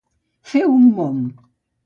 Fer un mom.